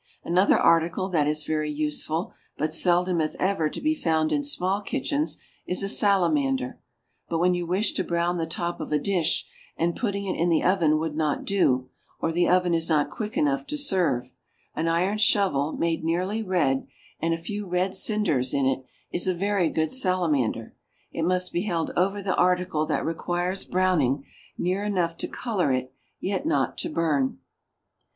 Another article that is very useful, but seldom, if ever, to be found in small kitchens, is a salamander; but when you wish to brown the top of a dish, and putting it in the oven would not do, or the oven is not quick enough to serve, an iron shovel, made nearly red, and a few red cinders in it, is a very good salamander. It must be held over the article that requires browning near enough to color it, yet not to burn.